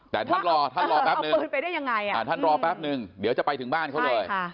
แต่ท่านรอท่านรอแป๊บนึงท่านรอแป๊บนึงเดี๋ยวจะไปถึงบ้านเขาเลย